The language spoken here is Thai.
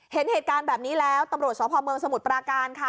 เห็นเหตุการณ์แบบนี้แล้วตำรวจสพเมืองสมุทรปราการค่ะ